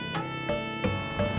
tidak ada yang bisa diberikan